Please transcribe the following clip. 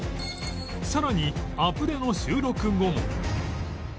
さらに『アプデ』の収録後も